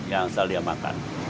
yang asal dia makan